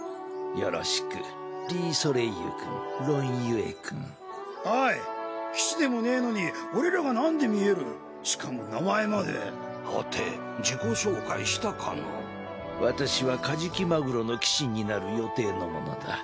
よろしくリー＝ソレイユ君ロン＝ユエ君おい騎士でもねぇのに俺らがなんでしかも名前まではて自己紹介した私はカジキマグロの騎士になる予定の者だ。